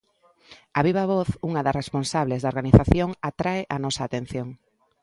A viva voz, unha das responsables da organización atrae a nosa atención.